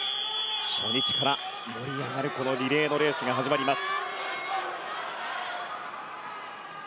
初日から盛り上がるリレーのレースが始まります。